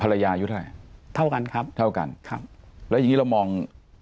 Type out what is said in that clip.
อายุเท่าไหร่เท่ากันครับเท่ากันครับแล้วอย่างงี้เรามอง